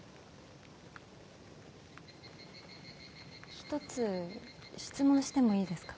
一つ質問してもいいですか？